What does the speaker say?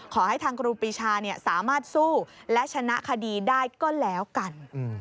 ขอให้ทางครูปีชาสามารถสู้และชนะคดีได้ก็แล้วกัน